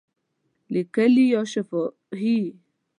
لیکلي یا شفاهی؟